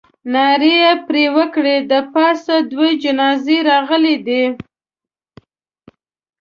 ناره یې پر وکړه. د پاسه دوه جنازې راغلې دي.